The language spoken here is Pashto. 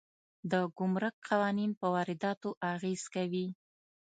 د ګمرک قوانین په وارداتو اغېز کوي.